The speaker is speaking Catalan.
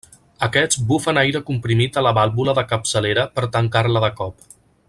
Aquests bufen aire comprimit a la vàlvula de capçalera per tancar-la de cop.